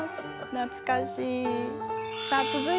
懐かしい。